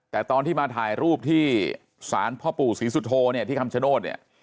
แต่ตอนที่มาถ่ายรูปที่ศาลพ่อปู่ศรีสุโธเนี่ยที่คำชโนธเนี่ย